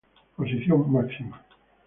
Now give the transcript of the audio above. Posición Máxima